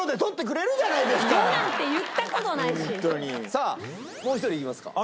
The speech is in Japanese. さあもう一人いきますか？